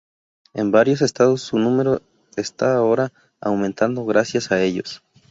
En varios estados su número está ahora aumentando gracias a ellos.